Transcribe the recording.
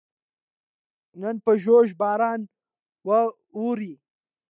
نن په ژوژ باران ووري